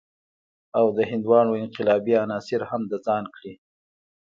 او د هندوانو انقلابي عناصر هم د ځان کړي.